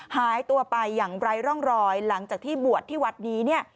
หายตัวไปอย่างไร้ร่องรอยหลังจากที่บวชที่วัดนี้เนี่ย